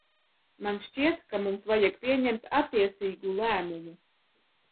Man šķiet, ka mums vajag pieņemt attiecīgu lēmumu.